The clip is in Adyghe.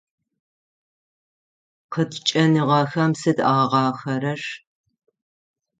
Къыткӏэныгъэхэм сыд агъахъэрэр?